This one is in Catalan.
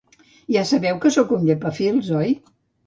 Ja sabeu que soc un llepafils, oi?